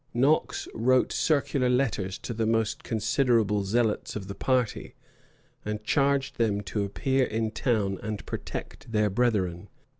Knox wrote circular letters to the most considerable zealots of the party, and charged them to appear in town and protect their brethren.